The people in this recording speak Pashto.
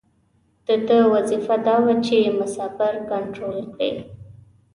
د ده وظیفه دا وه چې مسافر کنترول کړي.